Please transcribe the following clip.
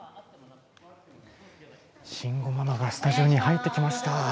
慎吾ママがスタジオに入ってきました。